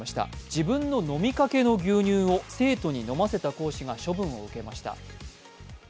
自分の飲みかけの牛乳を生徒に飲ませた教師が処分を受けました。